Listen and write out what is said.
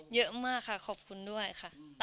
เยอะมากค่ะขอบคุณด้วยค่ะ